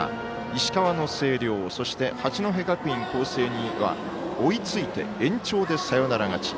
石川の星稜そして八戸学院光星には追いついて、延長でサヨナラ勝ち。